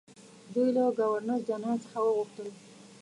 دوی له ګورنرجنرال څخه وغوښتل.